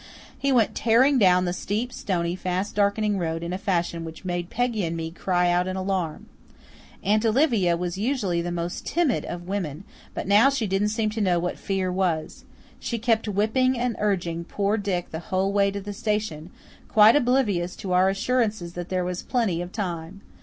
He went tearing down the steep, stony, fast darkening road in a fashion which made Peggy and me cry out in alarm. Aunt Olivia was usually the most timid of women, but now she didn't seem to know what fear was. She kept whipping and urging poor Dick the whole way to the station, quite oblivious to our assurances that there was plenty of time.